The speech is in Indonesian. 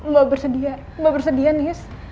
mbak bersedia mbak bersedia nis